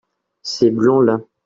ces blancs_là.